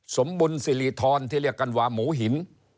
สมบุญสิริธรที่เรียกกันว่าหมูหิน